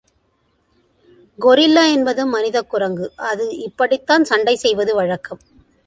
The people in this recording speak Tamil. கொரில்லா என்பது மனிதக் குரங்கு, அது இப்படித்தான் சண்டை செய்வது வழக்கம்.